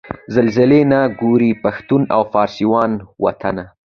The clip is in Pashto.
زلزلې نه ګوري پښتون او فارسي وان وطنه